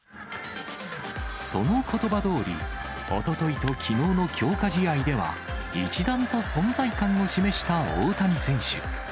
そのことばどおり、おとといときのうの強化試合では、一段と存在感を示した大谷選手。